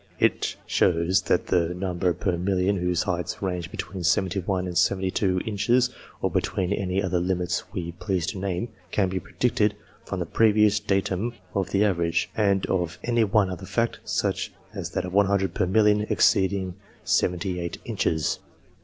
It shows that the number per million whose 24 CLASSIFICATION OF MEN heights range between seventy one and seventy two inches (or between any other limits we please to name) can be predicted from the previous datum of the average, and of any one other fact, such as that of 100 per million exceeding seventy eight inches.